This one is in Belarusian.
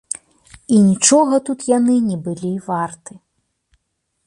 І нічога тут яны не былі варты.